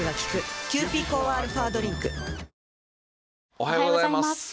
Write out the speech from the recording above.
おはようございます。